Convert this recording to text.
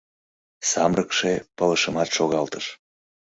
Самырыкше пылышымат шогалтыш.